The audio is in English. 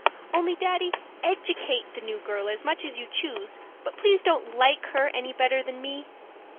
Only, Daddy, EDUCATE the new girl as much as you choose, but please don't LIKE her any better than me.